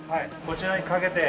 こちらにかけて。